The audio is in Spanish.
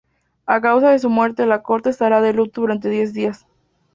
A causa de su muerte, la corte estará de luto durante diez días.